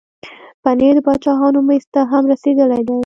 پنېر د باچاهانو مېز ته هم رسېدلی دی.